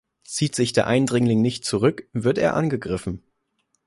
Zieht sich der Eindringling nicht zurück, wird er angegriffen.